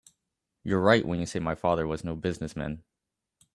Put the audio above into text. You're right when you say my father was no business man.